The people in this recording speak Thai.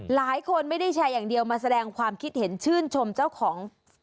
หลายคนไม่ได้แชร์อย่างเดียวมาแสดงความคิดเห็นชื่นชมเจ้าของ